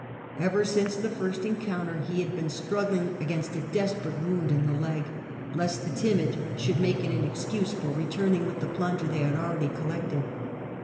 Ever since the first encounter he had been struggling against a desperate wound in the leg, lest the timid should make it an excuse for returning with the plunder they had already collected.